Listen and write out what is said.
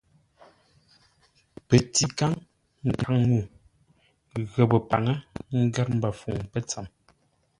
Pətíkáŋ, nkaŋ-ŋuu, ghəpə́ paŋə, ngər mbəfuŋ pətsəm.